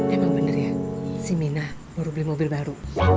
emang bener ya si mina baru beli mobil baru